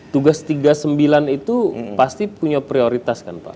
tugas tiga puluh sembilan itu pasti punya prioritas kan pak